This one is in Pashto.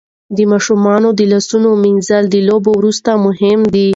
د ماشوم د لاسونو مينځل د لوبو وروسته مهم دي.